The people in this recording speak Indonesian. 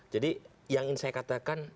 jadi yang saya katakan